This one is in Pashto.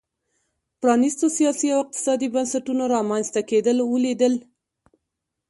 پرانیستو سیاسي او اقتصادي بنسټونو رامنځته کېدل ولیدل.